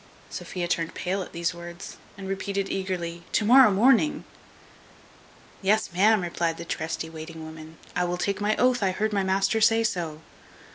Sophia turned pale at these words, and repeated eagerly, "To morrow morning!" "Yes, ma'am," replied the trusty waiting woman, "I will take my oath I heard my master say so."